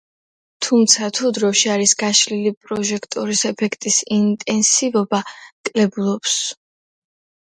თუმცა, თუ დროში არის გაშლილი პროჟექტორის ეფექტის ინტენსივობა კლებულობს.